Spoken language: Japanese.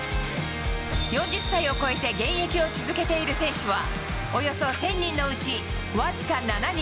４０歳を超えて現役を続けている選手は、およそ１０００人のうち僅か７人。